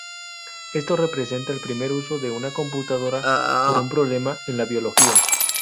Esto representa el primer uso de una computadora por un problema en la biología.